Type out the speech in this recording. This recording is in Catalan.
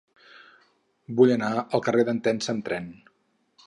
Vull anar al carrer d'Entença amb tren.